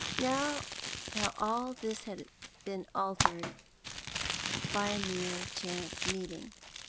Now how all this had been altered, by a mere chance meeting.